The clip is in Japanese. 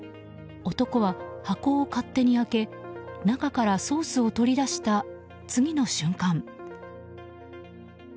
男は箱を勝手に開け中からソースを取り出した次の瞬間。